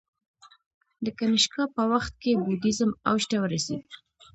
د کنیشکا په وخت کې بودیزم اوج ته ورسید